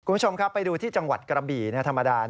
คุณผู้ชมครับไปดูที่จังหวัดกระบี่ธรรมดา